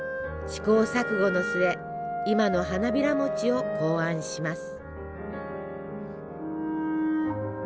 試行錯誤の末今の花びらもちを考案します。